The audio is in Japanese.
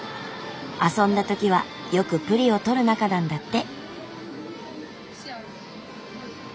遊んだ時はよくプリを撮る仲なんだって。